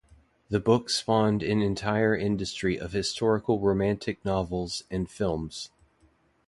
The book spawned an entire industry of historical romantic novels and films.